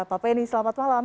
pak penny selamat malam